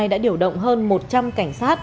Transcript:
đã điều động hơn một trăm linh cảnh sát